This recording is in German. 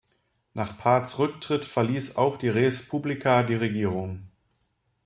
Nach Parts' Rücktritt verließ auch die Res Publica die Regierung.